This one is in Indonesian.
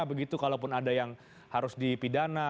begitu kalaupun ada yang harus dipidana